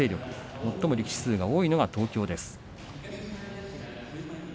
もっとも力士数が多いのは東京です。